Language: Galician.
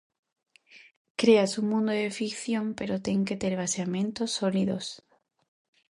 Creas un mundo de ficción, pero ten que ter baseamentos sólidos.